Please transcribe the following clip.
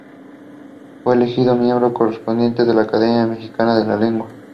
Fue elegido miembro correspondiente de la Academia Mexicana de la Lengua.